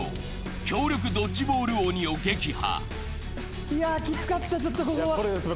強力ドッジボール鬼を撃破。